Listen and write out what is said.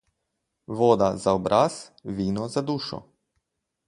Voda za obraz, vino za dušo.